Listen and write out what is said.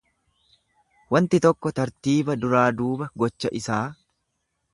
Wanti tokko tartiiba duraa duuba gocha isaa